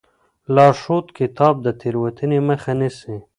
لارښود کتاب د تېروتنې مخه نیسي.